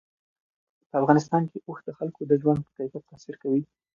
په افغانستان کې اوښ د خلکو د ژوند په کیفیت تاثیر کوي.